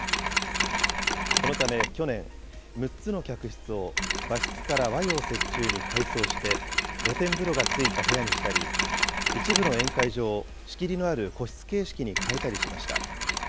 このため去年、６つの客室を和室から和洋折衷に改装して、露天風呂が付いた部屋にしたり、一部の宴会場を仕切りのある個室形式に変えたりしました。